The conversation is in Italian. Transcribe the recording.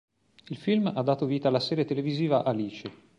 Il film ha dato vita alla serie televisiva "Alice".